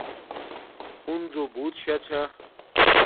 ہنزو بوت شا چھا